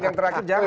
yang terakhir jangan